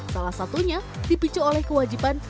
salah satunya dipicu oleh kewajiban